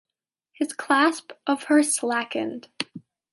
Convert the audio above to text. His clasp of her slackened.